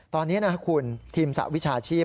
ตอนนี้นะครับคุณทีมสระวิชาชีพ